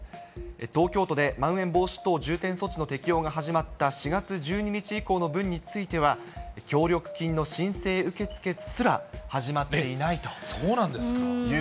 東京都でまん延防止等重点措置の適用が始まった４月１２日以降の分については、協力金の申請受け付けすら始まっていないという。